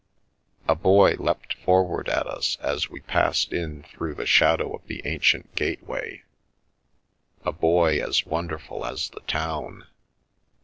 A boy leapt forward at us as we passed in through the shadow of the ancient gateway — a boy as wonderful as the town.